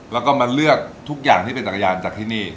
แล้วก็มาเลือกทุกอย่างที่เป็นจักรยานจากที่นี่